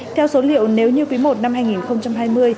theo số liệu nếu như quý i năm hai nghìn hai mươi